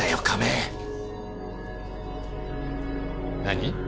何？